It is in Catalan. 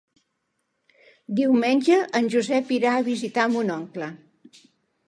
Diumenge en Josep irà a visitar mon oncle.